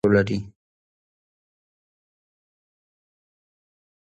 په افغانستان کې سیلابونه د خلکو له اعتقاداتو سره تړاو لري.